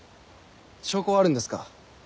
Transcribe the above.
証拠はあるんですか？